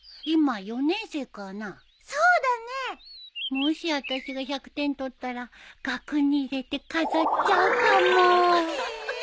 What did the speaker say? もしあたしが１００点取ったら額に入れて飾っちゃうかも。